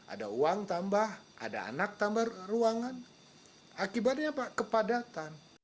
ada uang tambah ada anak tambah ruangan akibatnya pak kepadatan